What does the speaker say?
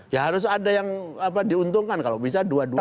ya harus ada yang diuntungkan kalau bisa dua duanya